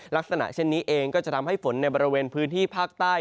ลักษณะเช่นนี้เองก็จะทำให้ฝนในบริเวณพื้นที่ภาคใต้